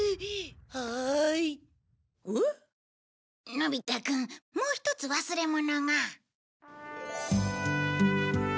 のび太くんもう一つ忘れ物が。